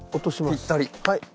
ぴったり！